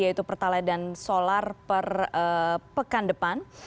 yaitu pertalite dan solar per pekan depan